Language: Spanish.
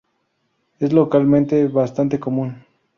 Es localmente bastante común.